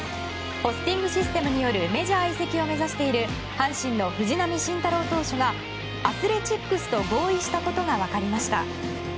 ポスティングシステムによるメジャーへの移籍を目指している阪神の藤浪晋太郎投手がアスレチックスと合意したことが分かりました。